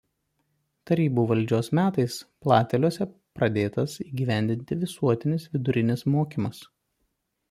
Tarybų valdžios metais Plateliuose pradėtas įgyvendinti visuotinis vidurinis mokymas.